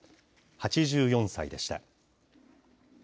８４歳でした。